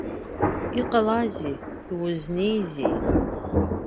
Иҟалазеи, узыниазеи?